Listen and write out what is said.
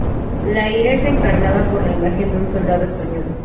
La ira es encarnada por la imagen de un soldado español.